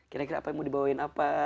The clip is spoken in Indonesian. kira kira apa yang mau dibawain apa